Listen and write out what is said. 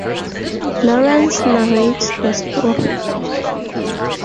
Laurence narrates the story.